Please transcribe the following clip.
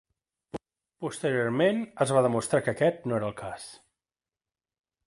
Posteriorment es va demostrar que aquest no era el cas.